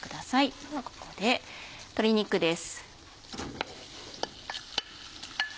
ではここで鶏肉です。